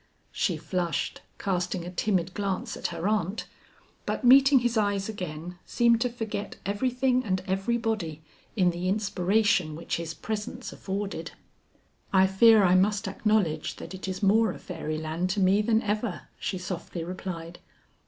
She flushed, casting a timid glance at her aunt, but meeting his eyes again seemed to forget everything and everybody in the inspiration which his presence afforded. "I fear I must acknowledge that it is more a fairy land to me than ever," she softly replied.